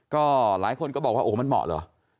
ก็หลายคนก็บอกว่ามันเหมาะหรอ